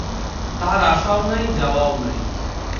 তাঁহার আসাও নাই, যাওয়াও নাই।